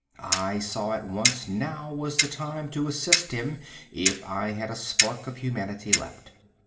I saw at once now was the time to assist him if I had a spark of humanity left.